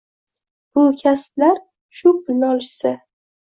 Bu kaslar shu pulni olishsa